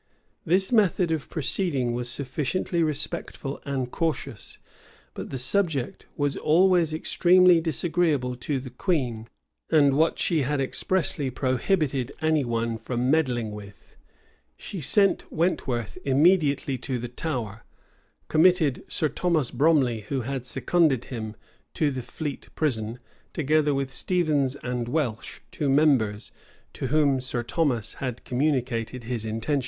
This method of proceeding was sufficiently respectful and cautious; but the subject was always extremely disagreeable to the queen, and what she had expressly prohibited any one from meddling with: she sent Wentworth immediately to the Tower; committed Sir Thomas Bromley, who had seconded him, to the Fleet prison, together with Stevens and Welsh, two members, to whom Sir Thomas had communicated his intention.